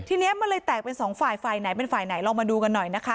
ทีนี้มันเลยแตกเป็นสองฝ่ายฝ่ายไหนเป็นฝ่ายไหนลองมาดูกันหน่อยนะคะ